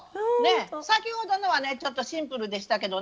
先ほどのはねちょっとシンプルでしたけどね